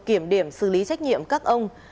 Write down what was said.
kiểm điểm xử lý trách nhiệm các ông